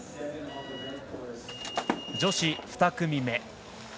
女子２組目。